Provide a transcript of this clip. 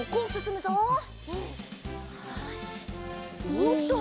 おっと！